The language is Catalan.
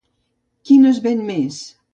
Quina es ven més?